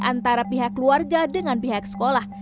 antara pihak keluarga dengan pihak sekolah